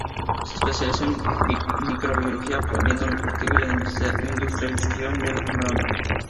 Se especializó en la microbiología, promovió el cultivo y la industrialización del amaranto.